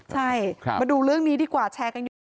ใช่มาดูเรื่องนี้ดีกว่าแชร์กันเยอะ